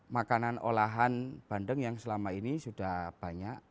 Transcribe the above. makanan olahan bandeng yang selama ini sudah banyak